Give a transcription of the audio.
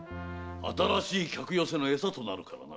新しい客寄せの餌となるからな。